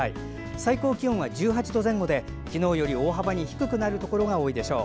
最高気温は１８度前後で昨日より大幅に低くなるところが多いでしょう。